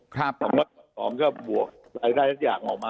ครับผมมาเรียนอันนี้นี่คือแต่บุตรการที่เราเริ่มต้นตั้งแต่๑๔๑๒๑๒